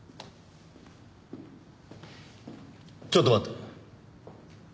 ちょっと待って。